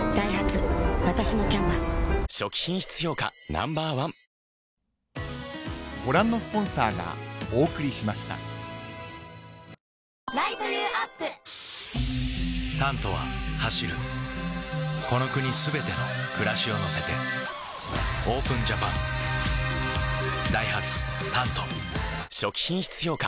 Ｎｏ．１「タント」は走るこの国すべての暮らしを乗せてＯＰＥＮＪＡＰＡＮダイハツ「タント」初期品質評価